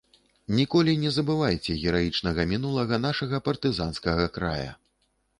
Ніколі не забывайце гераічнага мінулага нашага партызанскага края!